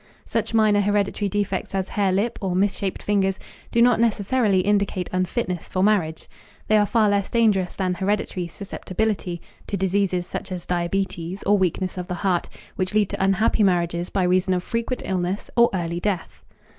Such minor hereditary defects as hare lip or misshaped fingers do not necessarily indicate unfitness for marriage. They are far less dangerous than hereditary susceptibility to diseases such as diabetes or weakness of the heart, which lead to unhappy marriages by reason of frequent illness or early death.